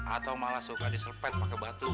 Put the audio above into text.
atau malah suka disepet pakai batu